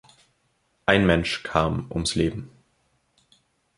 Ein Mensch kam ums Leben.